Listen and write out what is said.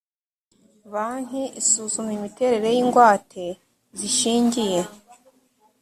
banki isuzuma imiterere y ingwate zishingiye